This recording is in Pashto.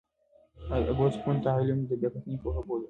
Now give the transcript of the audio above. اګوست کُنت دا علم د بیا کتنې پوهه بولي.